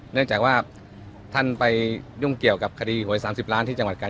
เนื่องจากว่าท่านไปยุ่งเกี่ยวกับคดีหวย๓๐ล้านที่จังหวัดกาล